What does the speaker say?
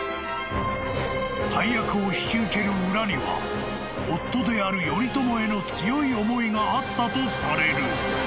［大役を引き受ける裏には夫である頼朝への強い思いがあったとされる］